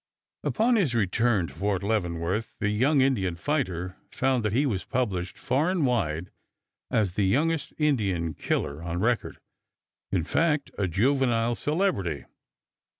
Upon his return to Fort Leavenworth the young Indian fighter found that he was published far and wide as the youngest Indian killer on record; in fact a juvenile celebrity.